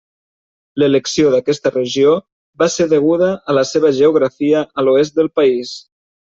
L'elecció d'aquesta regió va ser deguda a la seva geografia a l'oest del país.